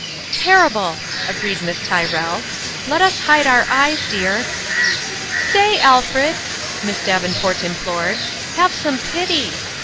" Terrible !" agreed Miss Tyrrell. " Let us hide our eyes, dear !"" Stay, Alfred !" Miss Davenport implored, " have some pity